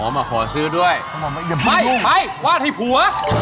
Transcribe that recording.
มาขอซื้อด้วยไม่ไปวาดให้ผัว